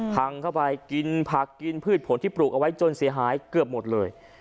พังเข้าไปกินผักกินพืชผลที่ปลูกเอาไว้จนเสียหายเกือบหมดเลย